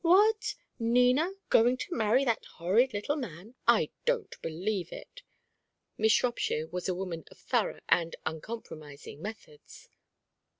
"What? Nina going to marry that horrid little man? I don't believe it!" Miss Shropshire was a woman of thorough and uncompromising methods.